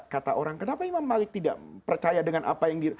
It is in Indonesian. kata orang kenapa imam malik tidak percaya dengan apa yang di